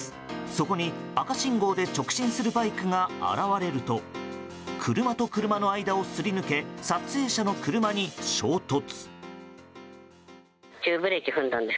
そこに赤信号で直進するバイクが現れると車と車の間をすり抜け撮影者の車に衝突。